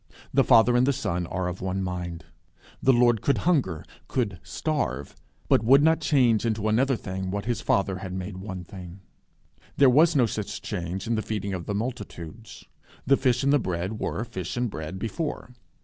The Father and the Son are of one mind. The Lord could hunger, could starve, but would not change into another thing what his Father had made one thing. [Footnote: There was no such change in the feeding of the multitudes. The fish and the bread were fish and bread before.